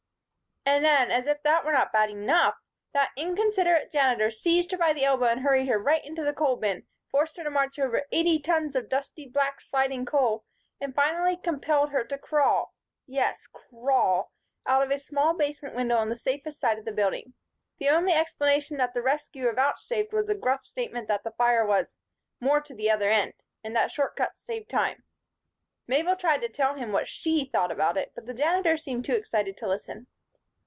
And then, as if that were not bad enough, that inconsiderate Janitor seized her by the elbow and hurried her right into the coal bin, forced her to march over eighty tons of black, dusty, sliding coal and finally compelled her to crawl yes, crawl out of a small basement window on the safest side of the building. The only explanation that the rescuer vouchsafed was a gruff statement that the fire was "More to the other end" and that short cuts saved time. Mabel tried to tell him what she thought about it, but the Janitor seemed too excited to listen.